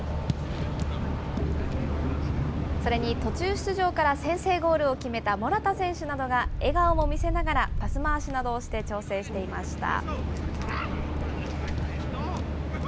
それに途中出場から先制ゴールを決めたモラタ選手などが笑顔も見せながらパス回しなどをして調整していました。